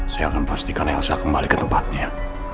saya akan pastikan elsa kembali ke tempatnya